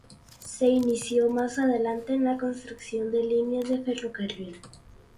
Se inició más adelante en la construcción de líneas de ferrocarril.